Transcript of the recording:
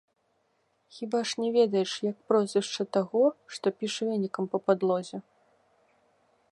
Хіба ж не ведаеш, як прозвішча таго, што піша венікам па падлозе?